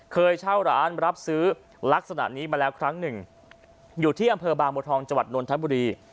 เคยเช่าร้านรับซื้อลักษณะนี้มาแล้วครั้งหนึ่งอยู่ที่อำเภอบางบัวทองจังหวัดนนทบุรี